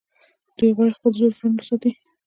دوی غواړي خپل زوړ ژوند وساتي.